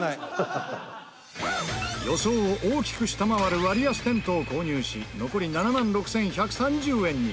予想を大きく下回る割安テントを購入し残り７万６１３０円に。